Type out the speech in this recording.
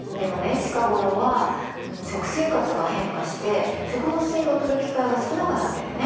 近頃は食生活が変化して食物繊維をとる機会が少なくなっててね。